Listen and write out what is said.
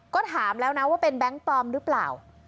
ก็ถามแล้วนะว่าเป็นแบงค์ปลอมหรือเปล่า